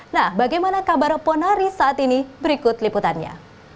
nah bagaimana kabar ponari saat ini berikut liputannya